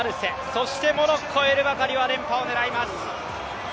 そして、モロッコのエルバカリは連覇を狙います。